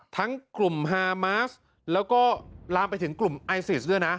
ทั้งกลุ่มฮามาสแล้วก็ลามไปถึงกลุ่มไอซิสด้วยนะ